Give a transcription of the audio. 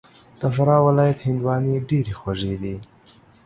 د فراه ولایت هندواڼې ډېري خوږي دي